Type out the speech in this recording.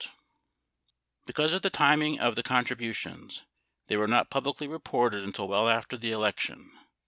80 Because of the timing of the contributions, they were not publicly reported until well after the election.